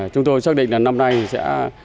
chúng tôi xác định là năm nay sẽ